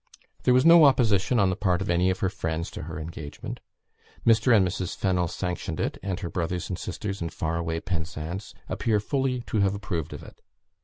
There was no opposition on the part of any of her friends to her engagement. Mr. and Mrs. Fennel sanctioned it, and her brother and sisters in far away Penzance appear fully to have approved of it.